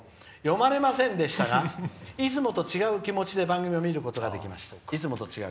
読まれませんでしたがいつもと違う気持ちで見ることができました。